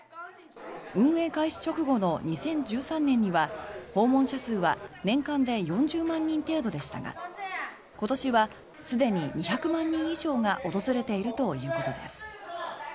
運営開始直後の２０１３年には訪問者数は年間で４０万人程度でしたが今年はすでに２００万人以上が訪れているということです。